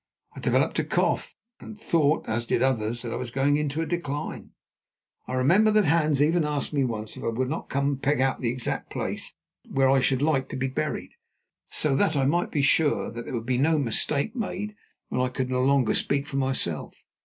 I developed a cough, and thought, as did others, that I was going into a decline. I remember that Hans even asked me once if I would not come and peg out the exact place where I should like to be buried, so that I might be sure that there would be no mistake made when I could no longer speak for myself.